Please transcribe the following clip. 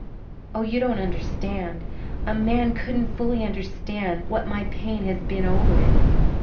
Oh, you don't understand a man couldn't fully understand what my pain has been over it.